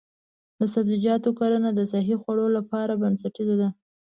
د سبزیجاتو کرنه د صحي خوړو لپاره بنسټیزه ده.